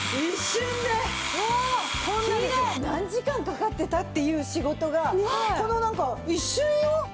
何時間かかってた？っていう仕事がこのなんか一瞬よ。